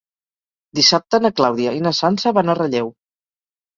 Dissabte na Clàudia i na Sança van a Relleu.